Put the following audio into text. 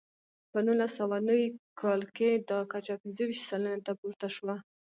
په نولس سوه نوي کال کې دا کچه پنځه ویشت سلنې ته پورته شوه.